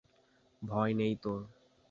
ভয় নেই তোর।